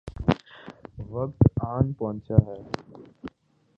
وقت آن پہنچا ہے۔